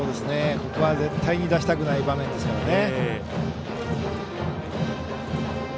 ここは絶対に出したくない場面ですよね。